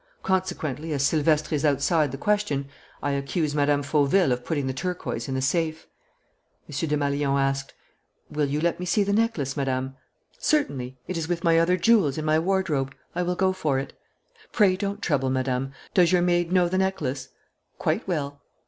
Consequently, as Silvestre is outside the question, I accuse Mme. Fauville of putting the turquoise in the safe." M. Desmalions asked: "Will you let me see the necklace, Madame?" "Certainly. It is with my other jewels, in my wardrobe. I will go for it." "Pray don't trouble, Madame. Does your maid know the necklace?" "Quite well."